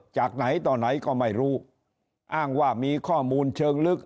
จากไหนต่อไหนก็ไม่รู้อ้างว่ามีข้อมูลเชิงลึก